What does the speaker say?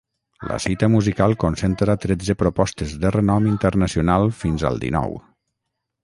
La cita musical concentra tretze propostes de renom internacional fins al dinou.